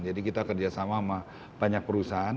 jadi kita kerjasama sama banyak perusahaan